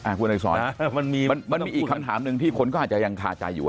คุณอัยสอนมันมีอีกคำถามหนึ่งที่คนก็อาจจะยังคาใจอยู่